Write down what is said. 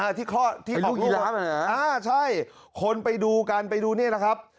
อ่าที่ข้อที่ของลูกอ่าใช่คนไปดูกันไปดูนี่นะครับ